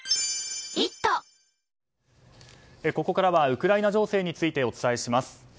ここからはウクライナ情勢についてお伝えします。